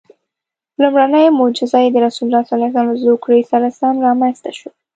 لومړنۍ معجزه یې د رسول الله له زوکړې سره سم رامنځته شوه.